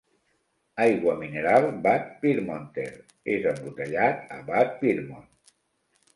Aigua mineral Bad Pyrmonter és embotellat a Bad Pyrmont.